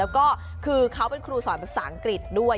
แล้วก็คือเขาเป็นครูสอนภาษาอังกฤษด้วย